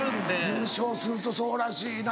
優勝するとそうらしいな。